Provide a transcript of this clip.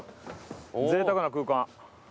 ぜいたくな空間。